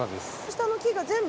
下の木が全部。